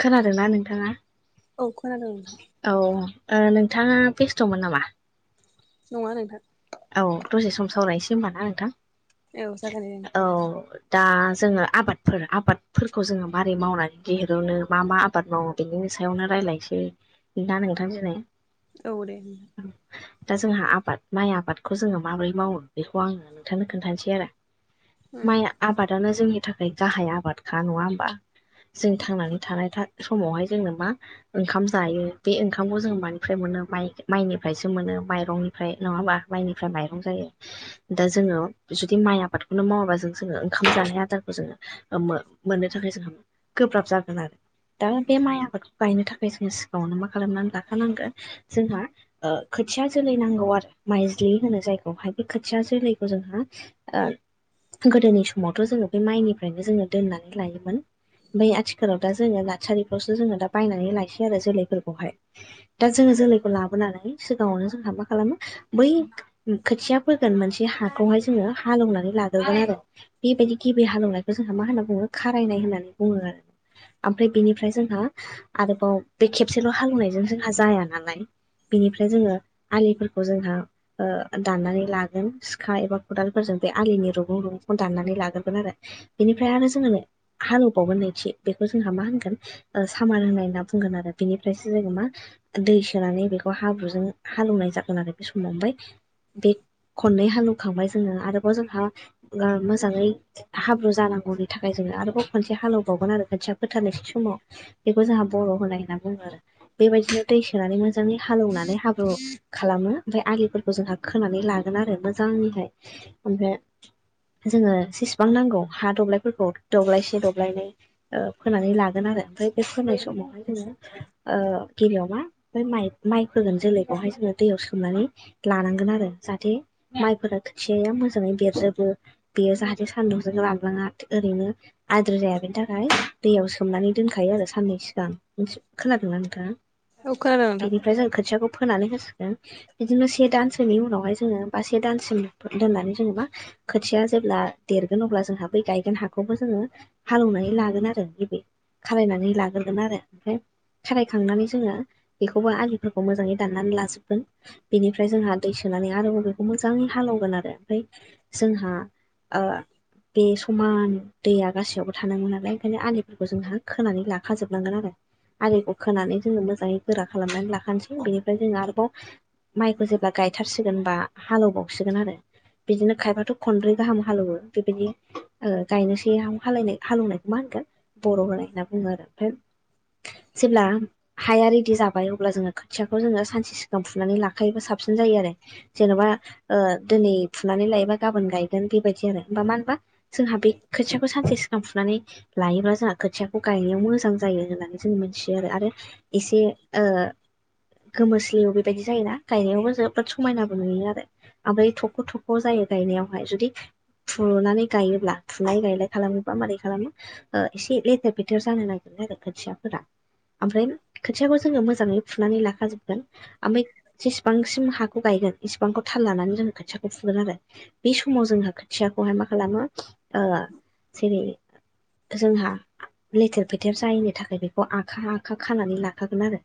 खोनादोंना नोंथाङा? औ खोनादों नोंथां औ नोंथाङा बेस्ट'मोन नामा? नङा नोंथां। औ दसे सम सावरायनोसै होनबा ना नोंथां औ जागोन दे औ। दा जोङो आबादफोर आबादफोरखौ जोङो मारै मावनानै दहिरनो मा मा आबाद मावो‌ बिनि सायावनो रायजलायनोसैा नोंथांजों औ दे। दा जोंहा आबाद माइ आबादखौ जोङो माबोरै मावो बेखौ आङो नोंथांनो खोन्थानोसै आरो। माइ आबादानो जोंनि थाखाय गाहाय आबादखा नङा होमबा? जों थांनानै थानाय समावहाय जोंनो मा? ओंखाम जायो बे ओंखामखौ जों मानिफ्राय मोनोाइ माइनिफ्रायसो मोनो माइरंनिफ्राय नङा होमबा? ओ‌ माइनिफ्राय माइरं जों दा जोङो जुदि माइ आबादखौनो मावाबा जों जोङो ओंखाम जानाय आदारखौ जोङो। ओ मोननो थाखाय जोंहा गोब्राब जागोन आरो दा बे माइ आबादखौ गायनो थाखाय जोङो सिगाङावनो मा खालामनानै लाखानांगोन जोंहा खोथिया जोलै नांगौ आरो। माइज्लि होनो जायगहाय बे खोथिया जोलैखौ जोंहा गोदोनि समावथ' जोङो बे माइनिफ्रायनो जोङो दोननानै लायोमोन। ओमफ्राय आथिखालाव दा जोङो नार्सारिफ्रावसो जोङो दा बायनानै लायसै आरो जोलैफोरखौहाय। ओ दा जोङो जोलैखौ लाबोनानै सिगाङावनो जोंहा मा खालामो बै खोथिया फैोगोन मोनसे हाखौहाय जोङो हालेवनानै लाग्रोगोन आरो [unintelligible] बेबायदि गेबि हालेवनायखौ जोंहा मा होनना बुङो खारायनाय होननानै बुङो आरो ओमफ्राय बेनिफ्राय जोंहा आरोबाव बे खेबसेल' हालौवनायजों जोंहा जाया नालाय बिनिफ्राय जोङो आलिफोरखौ जोंहा दाननानै लागोन सिखा एबा खदालफोरजों बे आलिनि रुगुं रुगुंखौ दाननानै लाग्रोगोन आरो। बेनिफ्राय आरो जोङो हालेवबावगोन नायथि बेखौ जोंहा मा होनगोन सामार होननाय होनना बुंगोन आरो बेनिफ्रायसो जोङो मा दै सोनानै बेखौ हाब्रुजों हालेवनाय जागोन आरो बे समाव ओमफ्राय बे खननै हालवखांबाय जोङो आरोबाव जोंहा मोजाङै मा हाब्रु जानांगौनि थाखाय जोङो आरोबाव खनसे हालेबावगोन आरो खोथिया फोथारनायै समाव। बेखौ जोंहा बर' होनाय होनना बुङो आरो बेबादिनो दै सोनानै मोजाङै हालेवनानै हाब्रु खालामो। ओमफ्राय आलिफोरखौ जोंहा खोनानै लागोन आरो मोजांनिहाय ओमफ्राय। जोङो जेसेबां नांगौ हा दब्लायफोरखौ दब्लायसे दब्लायनै फोनानै लागोन आरो ओमफ्राय बे फोनाय समावहाय जोङो म गबियाव मा-म-माइ होगोन जोलैखौहाय जोङो दै स बुथुमनानै लानांगोन आरो जाहाथे माइफोरा खोथियाया मोजाङै देरजोबो। बेयो जाहाथे सानदुंजों रानलाङा ओरैनो। आद्रा जाया बेनि थाखाय दैयाव सोमनानै दोनखायो आरो साननै सिगांथि खोनादोंना नोंथाङा? औ खोनादों नोंथां बेनिफ्राय जों खोथियाखौ फोनानै होसिगोन बिदिनो से दानसोनि उनावहाय जोङो बा से दानसिम दोननानै जेनेबा ओ खोथिया जेब्ला देरगोन अब्ला जोंहा बै गायगोन हाखौबो जोङो [unintelligible] हालेवनानै लागोन आरो नैबे खालनानै लाग्रोगोन आरो ओमफ्राय ओ खारायखांनानै जोङो बेखौबो आलिफोरखौ मोजाङै दाननानै लाजोबगोन। बेनिफ्राय जोंहा दै सोनानै आरोबाव बेखौ मोजाङै हालेवगोन आरो जोंहा ओ बे समान दैया गासैयावबो थानांगौ नालाय ओंखायनो आलिफोरखौ जोंहा खोनानै लाखाजोबलांगोन आरिखौ खोनानै जोङो मोजाङै गोरा खालामनानै लाखानोसै बेनिफ्राय जोंङो आरोबाव। माइखौ जेब्ला गायथारसिगोनबा हालौबावसिगोन आरो। बिदिनो खायफाथ' खनब्रै गाहाम हालौवो बेबायदि गायनोसै हालनाय हालेवनायखौ मा होनगोन? बर' होनाय होनना बुङो आरो ओमफाय जेब्ला हाया रेडि जाबाय अब्ला जोङो खोथियाखौ जोङो सानसे सिगां फुनानै ला खायोबा साबसिन जायो आरो जेन'बा ओ दोनै फुनानै लायोबा गाबोन गायगोन बेबायदि आरो हबा मा होनबा जोंहा बे खोथियाखौ सानसे सिगां फुनानै लायोब्ला जोंहा खोथियाखौ गायनायाव मोजां जायो होननानै जों मोनथियो आरो आरो एसे ओ गोमोस्लिव बेबायदि जायोना गायनायाव बो जोबोद समायनाबो नुयो आरो ओमफ्राय थख' थख' जायो गायनायावहाय जुदि फुनानै गायोब्ला फुलाय गायलाय खालामोबा मारै खालामो ओ एसे लेथेर फेथेर जानो नागिरो आरो खोथियाफोरा आमफ्राय खोथियाखौ जोङो मोजाङै फुनानै लाखाजोबगोन आमफाय जेसेबांसिम हाखौ गायगोन इसिबांखौ थाल लानानै जों खोथियाखौ फुगोन आरो बे समाव जोंहा खोथियाखौहाय मा खालामो ओ जेरै जोंहा लेथेर फेथेर जायैनि थाखाय बेखौ आखा आखा खानानै लाखागोन आरो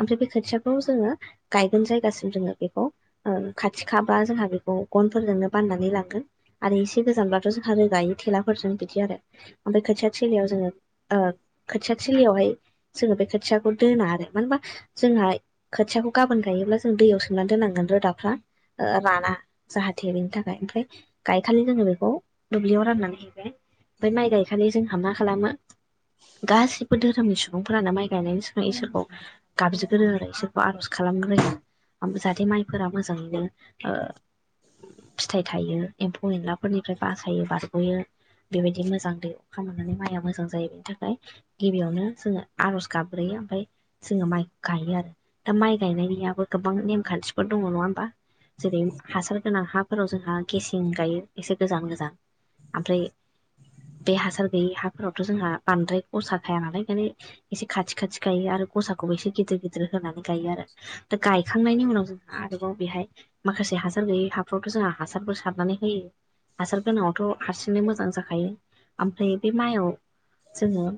आमफ्राय बे खोथियाखौ जोङो गुबुन जायगासिम जोङो बेखौ ओ खाथिखाबा जोंहा बेखौ गनफोरजोंनो बाननानै लांगोन आरो इसे गोजानब्लाथ' जोंहा रोगायो थेलाफोरजों बिदि आरो ओमफाय खोथिया थिलियाव जोङो ओ खोथिया थिलियावहाय जोङो बे खोथियाखौ दोना आरो मानो होनबा जोंहा खोथियाखौ गाबोन गायोब्ला जों दैयाव सोमनानै दोननांगोन रोदाफ्रा ओ राना जाहाथे बेनि थाखाय आमफ्राय गायखालि जोङो बेखौ दुब्लियाव राननानै हैबाय आमफाय माइ गायखालि जोंहा मा खालामो गासिबो धोरोमनि सुबुंफोरानो माइ गायनायनि सिगां इसोरखौ गाबज्रिगोरो आरो इसोरखौ आर'ज खालामग्रोयो आमफ्राय जाहाथे माइफोरा मोजाङैनो फिथाइ थायो एम्फौ एनलाफोरनिफ्राय बासायो बारग'यो बेबायदि मोजां दै अखा मोननानै माइया मोजां जायो बेनि थाखाय गिबियावनो जोङो आर'ज गाबग्रोयो ओमफ्राय जोङो माइ गायो आरो दा माइ गायना याबो गोबां नेमखानथिफोर दङ नङा होनबा जेरै हासार गोनां हा फोराव जोंहा गेसें गायो एसे गोजान गोजान आमफ्राय बे हासार गैयै हाफोरावथ' जोंहा बांद्राय गसा खायानालाय ओंखायनो एसे खाथि खाथि गायो आरो गसाखौबो एसे गिदिर गिदिर होनानै गायो आरो दा गायखांनायनि उनाव जोंहा आरोबाव बेहाय माखासे हासार गैयै हाफ्रावथ' जोंहा हासारफोर सारनानै होयो हासार गोनाङावथ' हारसिंनो मोजां जाखायो आमफ्राय बे माइयाव जोङो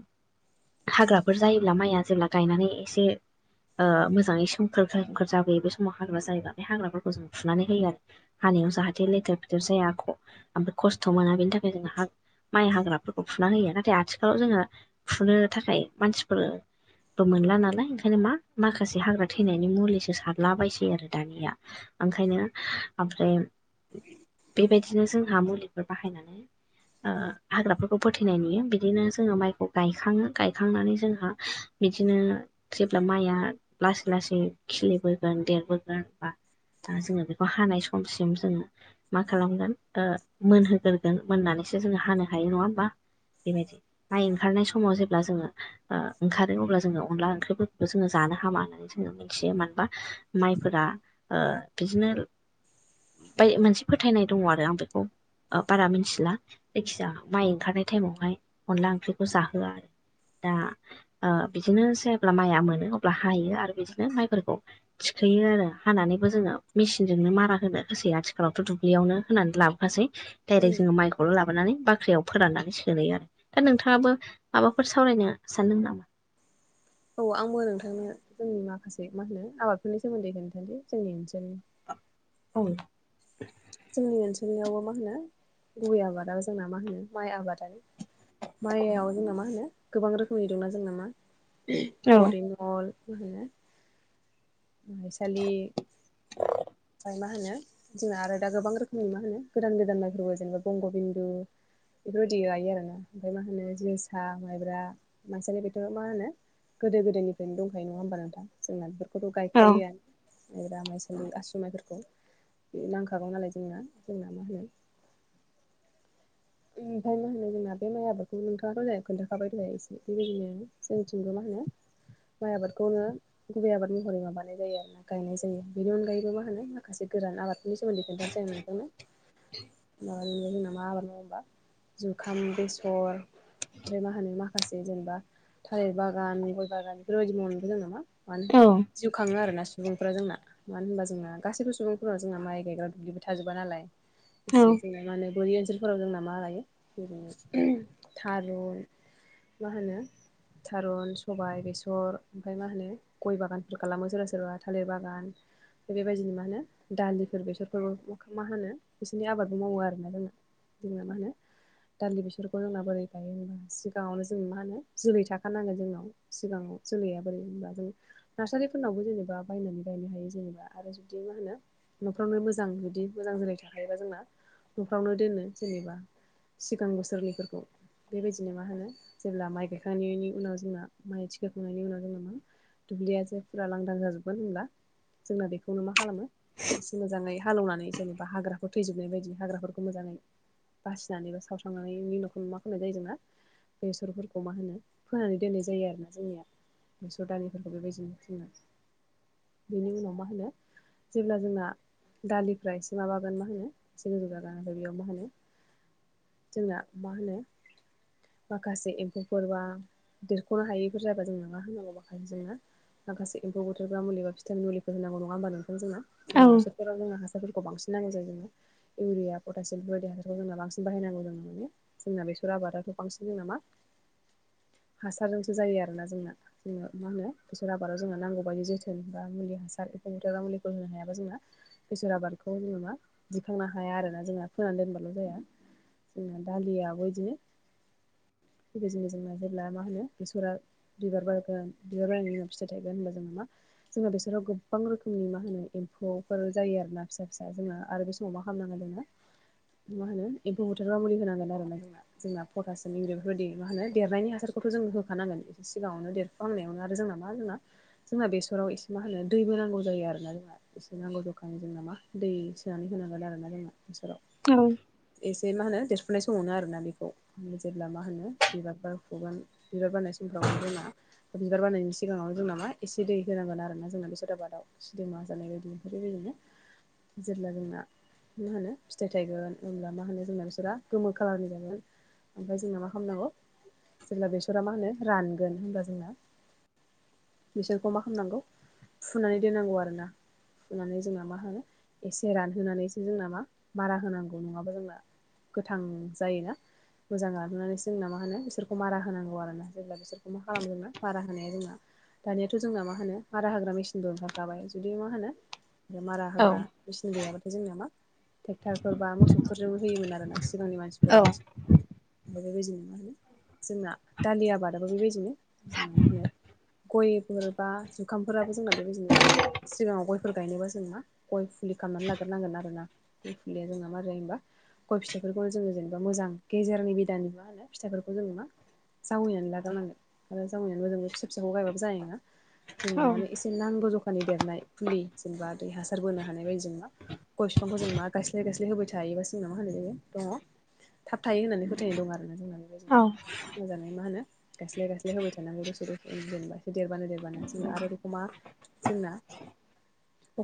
हाग्राफोर जायोब्ला माइया जेब्ला गायनानै एसे ओ मोजाङै सोम खोर खोर जाबोयो बे समाव हाग्रा जायोबा बे हाग्राफोरखौ जों फुनानै होयो आरो हानायाव जाहाथे लेथेर फेदेर जाया आक' ओमफ्राय खस्थ' मोना बेनि थाखाय जोंहा माइ हाग्राफोरखौ फुना होयो नाथाय आथिखालाव जोङो फुनो थाखाय मानसिफोरथ' मोनला नालाय ओंखायनो मा माखासे हाग्रा थैनायनि मुलिसो सारलाबायसै आरो दानिया ओंखायनो आमफ्राय बेबायदिनो जोंहा मुलिफोर बाहायनानै हाग्राफोरखौ फोथैनाय नुयो बिदिनो जोङो माइखौ गायखाङो गायखांनानै जोंहा बिदिनो जेब्ला माइया लासै खिलिबोगोन देरबोगोनबा दा जोङो बेखौ हानाय समसिम जोङो मा खालामगोन ओ मोनहोग्रोगोन मोननानैसो जोङो हानो हायो नङा होमबा बेबायदि माइ ओंखारनाय समाव जेब्ला जोङो ओ ओंखारो अब्ला जोङो अनला ओंख्रिफोरखौ जोङो जानो हामा होनो होनना मिथियो मानो होनबा माइफोरा बिदिनो उमफाय मोनसे फोथायनाय दङ आरो आं बेखौ बारा मिथिला जायखिजाया माइ ओंखारनाय टाइमावहाय अनला ओंख्रिखौ जाहोआ। दा ओ बिदिनो जेब्ला माइआ मोनो अब्ला हायो आरो बिदिनो माइफोरखौ थिखोयो आरो हानानैबो जोङो मेसिनजोंनो मारा होनो हासै आथिखालावथ' दुब्लियावनो होनानै लाबो सै डाइरेक जोंङो माइखौ खौ लाबोनानै बाख्रियाव फोराननानै सोहैयो आरो। दा नोंथाङाबो माबाफोर सावरायनो सानदों नामा? औ आंबो नोंथांनो जोंनि माखासे मा होनो आबादफोरनि सोमोन्दैखौ खोनथानोसै जोंनि ओनसोलनि औ जोंनि ओनसोलनियावबो मा होनो गुबै आबादाब जोंना मा होनो माइ आबादानो माइयाव जोंना मा होनो गोबां रोखोमनि दंना जोंना मा औ परिमल माइसालि ओमफ्राय मा होनो जोंना आरो दा गोबां रोखोमनि मा होनो गोदान गोदान माइफोरबो जेनबा बंग बिन्दु। बेफोरबायदि गायो आरोना ओमफ्राय मा होनो जोसा माइब्रा मायसालि बेफोर मा होनो गोदो गोदोनिफ्रायनो दंखायो नङा होमबा नोंथां जोंना बेफोर। बेफोरखौ' औ गायखायो माब्ला माइसालि आसु माइफोरखौ बे नांखागौ नालाय जोंना जोंना मा होनो ओमफ्राय मा होनो जोंना बे माइ आबादखौ नोंथाङा खोन्थाखाबाय दहाय एसे बेबायदिनो जोंनिथिंबो मा होनो माइ आबादखौनो गुबै आबाद महरै माबानाय जायो आरोना गायनाय जायो बेनि अनगायैबो मा होनो माखासे गोरान आबादफोरनि सोमोन्दै खोनथानोसै आं नोंथांनो माबा जोंना मा आबाद मावो होनबा जुखाम बेसर ओमफ्राय मा होनो माखासे जेनेबा थालिर बागान गय बागान बेफोरबायदि मावनानैबो जोङो मा माने औ जिउ खाङो आरोना सुबुंफ्रा जोंना मानो होनबा जोंहा गासैबो सुबुंफोरनाव जोंहा माइ गायग्रा दुब्लिबो थाजोबा नालाय औ एसे जों मा होनो बोरि ओनसोलफोराव जोंना मा लायो जेरै थारुन मा होनो थारुन सबाय बेसर ओमफ्राय मा होनो गय बागानफोर खालामो सोरबा सोरबा थालिर बागान बेबायदिनो मा होनो दालिफोर बेसरफोरबो मा होनो बिसोरनि आबादबो मावो आरोना जोङो जोङो मा होनो दालि बेसरखौ जोंना बोरै गायो होमब्ला सिगाङावनो जों मा होनो जोलै थाखानांगोन जोंनाव सिगाङाव जोलैया बोरै होनबा जों नार्सारिफोरनावबो जेनेबा बायनानै लायनो हायो जेनेबा आरो जुदि मा होनो न'फ्रावनो मोजां जुदि मोजां जोलै थाखायोबा जोंना न'फ्रावनो दोनो जेनेबा सिगां बोसोरनिफोरखौ बेबायदिनो मा होनो जेब्ला माइ गायखांनायनि उनाव जोंना माइ थिखोखांनायनि उनाव जोंना मा दुब्लिया जेल्बा फुरा लांदां जाजोबगोन होनब्ला जोंना बेखौनो मा खालामो एसे मोजाङै हालेवनानै जेनेबा हाग्राफोर थैजोबनाय बायदि हाग्राफोरखौ मोजाङै बासिनानैबो सावस्रांनानै इनि उनाव मा खालामनाय जायो जोंना बेसरफोरखौ मा होनो फोनानै दोननाय जायो आरोना जोंनिया बेसर दालिफोरखौ बेबायदिनो फोयो बेनि उनाव मा होनो जेब्ला जोंना दालिफ्रा एसे माबागोन मा होनो एसे गोजौ जागोन ओमफ्राय बेयाव मा होनो जोंना मा होनो माखासे एम्फौफोर बा देरख'नो हायैफोर जाबा जों मा होनांगौ माखासे जोङो माखासे एम्फौ बुथारग्रा मुलिबा फिथामिननि मुलि होनांगौ नङा होमबा नोंथां जोंना औ जोंना बेसरफोराव जोंना हासारफोरखौ बांसिन नांगौ जायो जोनो इउरिया पटासियम बेफोरबायदि आरो जोंना बांसिन बाहायनो नागौ जायो जोंना बेसर आबादा बांसिन जों नामा हासारजोंसो जायो आरोना जोंना जोङो मा होनो बेसर आबादाव जोङो नांगौ बायदि जोथोन बा मुलि हासार एफौ बुथारग्रा मुलिखौ होनो हायाबा जों बेसर आबादखौ जोङो मा दिखांनो हाया आरो ना जोंना फोनानै दोनबा ल' जाया जोंना दालियाबो बिदिनो बेज गोेजोंना जेब्ला मा होनो बेसरा बिबार बारगोन बिबार बारनायनि उनाव फिथाइ थायगोन होनबा जोङो मा? जोंना बेसोराव गोबां रोखोमनि मा होनो एम्फौफोर जायो आरोना फिसा फिसा जोङो आरो बे समाव मा खालामनांगोन जोङो मा होनो एम्फौ बुथारबा मुलि होनांगोन आरो ना जोंना। जोंना पटासियाम इंग्रि बेफोरबायदि मा होनो देरनायनि हासारखौथ' जों होखानांगोन एसे सिगाङावनो देर बांनायावनो आरो जोंना मा जोंना जोंना बेसराव एसे मा होनो दैबो नांगौ जायो आरोना जोंना। एसे नांगौ जखानि जोंना मा दै सोनानै होनांगोन आरोना जोंना बेसराव। औ एसे मा होनो देरफुनाय समावनो आरोना बेखौ जेब्ला मा होनो बिबार बार खुगोन बिबार बारनायसिमफ्राव जोंना बिबार बारनायनि सिगाङाव जोंना मा एसे दै होनांगोन आरो ना जोङो बेसत आाबादाव। सिदोमा जानाय बायदि बेफोर बेबायदिनो जेब्ला जोंना मा होनो फिथाइ थायगोन। जेब्ला मा होनो जोंना बिसोरा गोमो खालारनि जायो ओमफ्राय जोंना मा खालामनांगौ? जेब्ला बेसरा मा होनो रानगोन होनबा जोंना बिसोरखौ मा खालामनांगौ फुनानै दोननांगौ आरोना। होननानै जोंना मा होनो एसे रानहोनानैसो जोंना मा मारा होनांगौ नङाबा जोंना गोथां जायोना। मोजां लाबोनानैसो जोंना मा होनो बिसोरखौ मारा होनांगौ आरोना जेब्ला बिसोरखौ मा खालाम जोंना मारा होनाया जोंना दानियाथ' जोंना मा होनो भारा हाग्रा मेसिनबो ओंखारखाबाय जुदि मा होनो मारा होग्रा मेसिन गैयाबाथाय जोंनिया मा ट्रेक्टरफोर बा म मोसौफोरजोंबो होयोमोन आरोना सिगांनि मानसिफोरा औ बांसिन। ओमफ्राय बेबायदिनो मा होनो जोंना दालि आबादाबो बेबायदिनो जोंना मा होनो? गयफोरोबो जुखामफोराबो जोंना बेबायदिनो जोंना। सिगाङाव गयफोर गायनोबा जोंना गय फुलि खालामनानै लाग्रनांगोन आरोना गय फुलिया जोंना आरो जेनबा गय फिथाइफोरखौनो जोङो जेनेबा मोजां गेजेरनि बिदानि मा होनो फिथाइफोरखौ जों मा? जावैनानै लाजावनांगोन आरो जावै नायाबो जों फिसा फिसाखौ गायबाबो जानाय नङा। जोंनो मा होनो एसे नांगौ जखानि फानि देरनाय फुलि जेनेबा दै हासार बोनो हानाय बायदि जों मा गय बिफांखौ जों मा गायस्लाय जे होबाय थायोबा जोंना मा होनाय जायो दङ थाब थायो होननानै फोथायनाय दं आरोना जोंना। दिनो मोजाङै मा होनो? गास्ले गास्ले होबाय थान दसोर द जेनेबा एसे देरबानो देरबानो जों आरो बेखौ मा? जोंना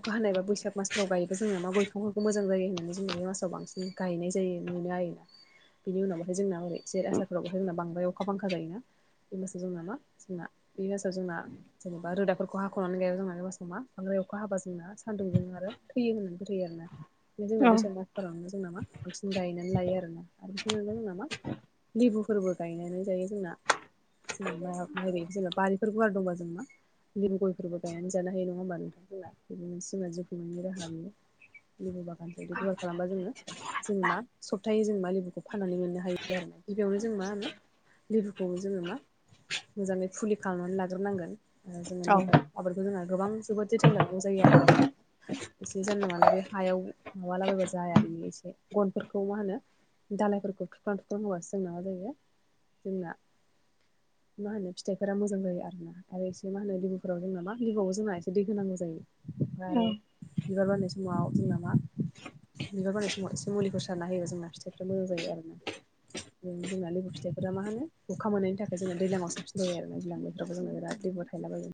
अखा हानाय बा बैसाग मासनाव गायोब जोबङो मा गय बिाफांखौ मोजां जायो होननानै जोंना बे मासाव बांसिन गायनाय जायो नुनो होना बिनि उनावबोथाय जोंना ओरै जे आसारफोरावबोथाय जोंना बांद्राय अखा बांखा जायोना बे मासाव जों नामा जोंना बे मासाव जोंना जेनेबा रोदाफोरखौ हाख'नानै गायोबा जोंनानैबा सममा बांद्राय अखा हाबा जोंना सान्दुंजों आरो थैयो होननानै फोथायो आर ना जोंनाव बे मारावनो जों नामा बांसिन गायनानै लायो आरोना आरो बेफोर जोंना मा लेबुफोरबो गायनानै जायो जोंना जेनेबा माइ बायदि जेनेबा बारिफोर गुवार दंबा जोंबा लिं गयफोरबो गायनानै जानो हायो नङा होमबा नोंथांमोना बेनि मोन सिम जिउख मोननायनि राहा नुयो [unintelligible] खालामबा जोङो जों मा सप्तायै जों मा लेबुखौ फाननानै मोननो हायो आरो ना गिबियावनो जों मा होनो? लिबुखौ जोङो मा मोजाङै फुलि खालामनानै लाग्रोनांगोन जोङो औ लेबुआव आबादखौ जोंहा गोबां जोबोद जोथोन लानांगौ जायो आरोखि। एसे जानला मोनालला बे हायाव माबालाबायबो जाया बेयो एसे गनफोरखौ मा होनो दाालायफोरखौ थुख्रां थुख्रां होबासो जों नांगौ जायो जोंना [inaudible] मा होनो फिथाइफोरा मोजां जायो आरोना आरो एसे मा होनो लेबुफोराव जोंना मा लेबुआव जोंना एसे दै होनांगौ जायो। ओमफ्राय औ आरो बिबार बारनाय समाव जोंना मा? बिबार बोननाय समाव एसे मुलिखौ सारना होयो जोंना फिथाइफ्रा मोजां जायो आरो ना। जोंना लिबु फिथाइफोरा मा होनो अखा मोननायनि थाखाय जों दैलाङाव साबसिन जायो आरो ना दैज्लां बोथोराव जों बिराद लेबुर फलाबो [unintelligible]